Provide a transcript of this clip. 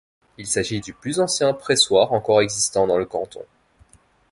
Il s'agit du plus ancien pressoir encore existant dans le canton.